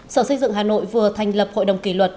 sở xây dựng hà nội vừa thành lập hội đồng kỷ luật